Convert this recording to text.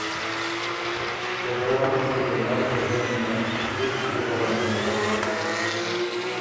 خه دوارت بُو بېمرګه ژېم نک، زُت جُغر ام دل خولک۔